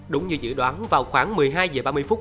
đúng như dự đoán vào khoảng một mươi hai h ba mươi phút